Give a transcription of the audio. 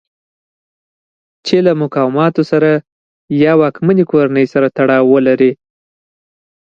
چې له مقاماتو سره یا واکمنې کورنۍ سره تړاو ولرئ.